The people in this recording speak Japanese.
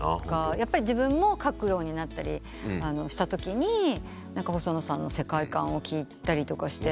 やっぱり自分も書くようになったりしたときに細野さんの世界観を聴いたり。